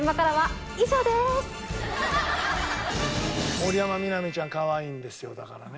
森山みなみちゃんかわいいんですよだからね。